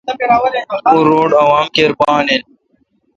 او روڑ عوام کیر بان این۔